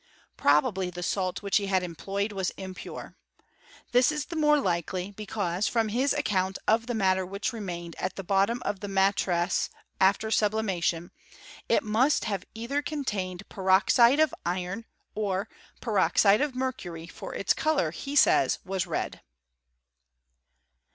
Probably the salt which he had employed was impure. This is the more likely, because, from his account of the matter which remained at the bottom of the ma trass after sublimation, it must have either contained peroxide of iron or peroxide of mercury, for its colour he says was red.